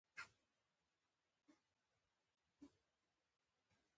زه ولاړم هماغلته ودرېدم، بګۍ ته مې تر هغه مهاله کتل.